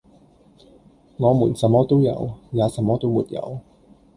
我們什麼都有，也什麼都沒有，